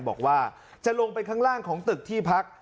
บอกว่าจะลงไปข้างล่างของตึกที่พัก